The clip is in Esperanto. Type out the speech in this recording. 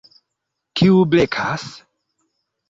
Kiu blekas?